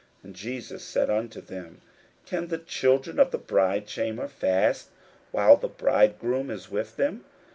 41:002:019 And Jesus said unto them, Can the children of the bridechamber fast, while the bridegroom is with them?